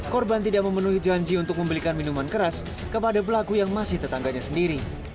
korban tidak memenuhi janji untuk membelikan minuman keras kepada pelaku yang masih tetangganya sendiri